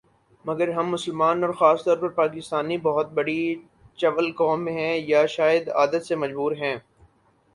مگر ہم مسلمان اور خاص طور پر پاکستانی بہت بڑی چول قوم ہیں ، یا شاید عادت سے مجبور ہیں